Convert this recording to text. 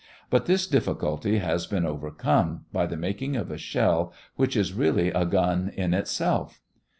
But this difficulty has been overcome by the making of a shell which is really a gun in itself.